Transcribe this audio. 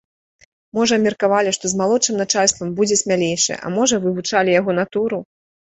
Можа, меркавалі, што з малодшым начальствам будзе смялейшы, а можа, вывучалі яго натуру?